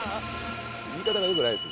言い方が良くないです。